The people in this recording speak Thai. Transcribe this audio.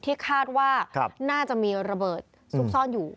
ที่คาดว่าน่าจะมีระเบิดซุกซ่อนอยู่